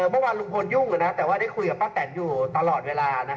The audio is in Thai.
เมื่อวานลุงพลยุ่งแต่ว่าได้คุยกับป้าแตนอยู่ตลอดเวลา